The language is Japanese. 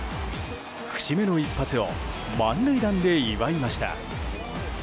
節目の一発を満塁弾で祝いました。